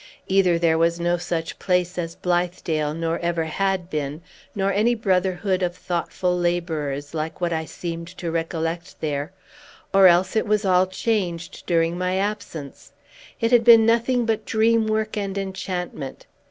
Either there was no such place as Blithedale, nor ever had been, nor any brotherhood of thoughtful laborers, like what I seemed to recollect there, or else it was all changed during my absence. It had been nothing but dream work and enchantment.